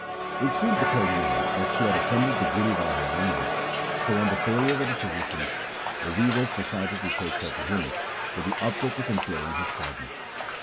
It soon became known that she had offended the Guru by her language, so on the failure of the physicians the weavers decided to take her to him with the object of imploring his pardon.